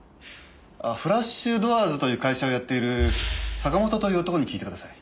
フラッシュドアーズという会社をやっている坂本という男に聞いてください。